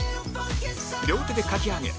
両手でかき上げ